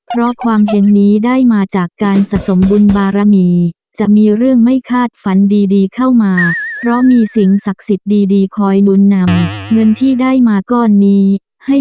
เพราะความเห็นนี้ได้มาจากการสะสมบุญบารมีจะมีเรื่องไม่คาดฝันดีเข้ามาเพราะมีสิ่งศักดิ์สิทธิ์ดีคอยลุ้นนำเงินที่ได้มาก้อนนี้ให้